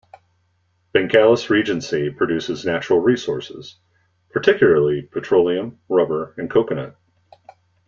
Bengkalis Regency produces natural resources, particularly petroleum, rubber, and coconut.